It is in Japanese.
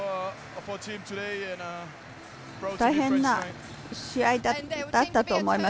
大変な試合だったと思います。